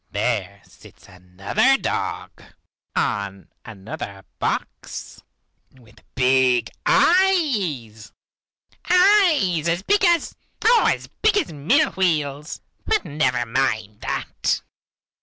There sits another dog, on another box, with big eyes, eyes as big as oh, as big as mill wheels, but never mind that.